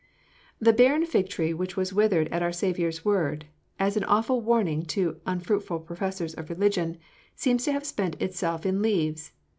"The barren fig tree which was withered at our Saviour's word, as an awful warning to unfruitful professors of religion, seems to have spent itself in leaves.